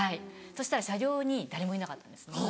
そしたら車両に誰もいなかったんですね。